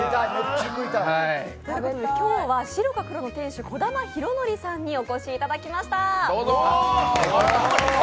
今日は白か黒の店主、兒玉宇則さんにお越しいただきました。